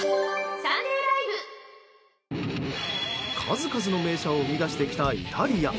数々の名車を生み出してきたイタリア。